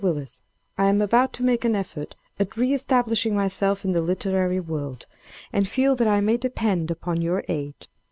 WILLIS—I am about to make an effort at re establishing myself in the literary world, and feel that I may depend upon your aid.